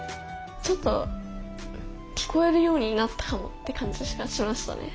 「ちょっと聞こえるようになったかも」って感じがしましたね。